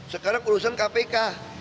sekarang urusan kpk